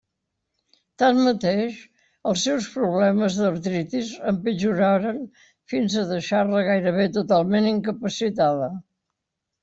Tanmateix, els seus problemes d'artritis empitjoraren fins a deixar-la gairebé totalment incapacitada.